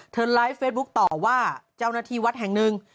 ไลฟ์เฟซบุ๊คต่อว่าเจ้าหน้าที่วัดแห่งหนึ่ง